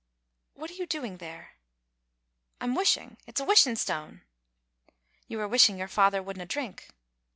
" "What are you doing there?" " I'm wishing. It's a wishing stane." " You are wishing your father wouldna drink.